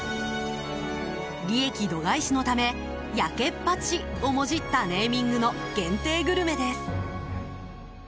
利益度外視のためやけっぱちをもじったネーミングの限定グルメです。